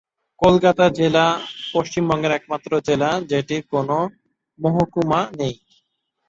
কলকাতা জেলা পশ্চিমবঙ্গের একমাত্র জেলা যেটির কোনো মহকুমা নেই।